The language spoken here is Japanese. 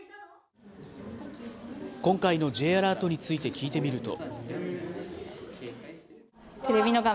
今回のＪアラートについて聞いてみると。